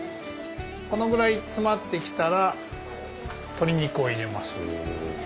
このぐらい詰まってきたら鶏肉を入れます。